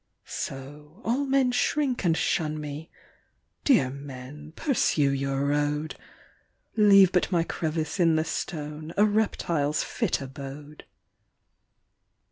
So, all men shrink and shun me! Dear men, pursue your road! Leave but my crevice in the stone, a reptile's fit abode!